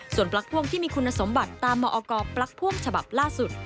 ส่วนปลั๊กพ่วงที่มีคุณสมบัติตามมอกรปลั๊กพ่วงฉบับล่าสุด